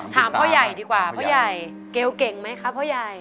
ถามพ่อใหญ่ดีกว่าพ่อใหญ่เกลเก่งไหมคะพ่อใหญ่